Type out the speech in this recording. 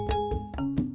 maaf ya bang